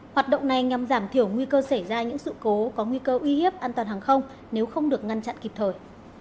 hoạt động này nhằm giảm thiểu nguy cơ xảy ra những sự cố có nguy cơ uy hiếp an toàn hàng không nếu không được ngăn chặn kịp thời